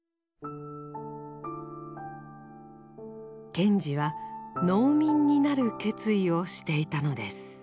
賢治は農民になる決意をしていたのです。